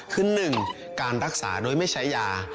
คือ๑การรักษาโดยไม่ใช้ยา